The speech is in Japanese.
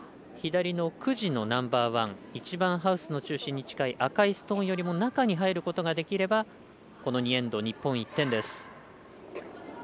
左の９時のナンバーワン一番ハウスの中心に近い赤いストーンより中に入ることができればこの２エンド、日本１点です。